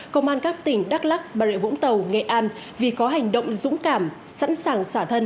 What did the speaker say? công an các tỉnh đắk lắc bà rịa vũng tàu nghệ an vì có hành động dũng cảm sẵn sàng xả thân